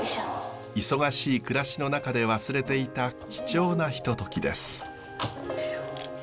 忙しい暮らしの中で忘れていた貴重なひとときです。